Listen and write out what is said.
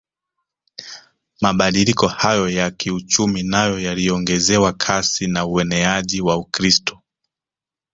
Mabadiliko hayo ya kiuchumi nayo yaliongezewa kasi na ueneaji wa Ukristo